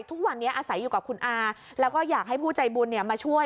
ทุกวันนี้อาศัยอยู่กับคุณอาแล้วก็อยากให้ผู้ใจบุญมาช่วย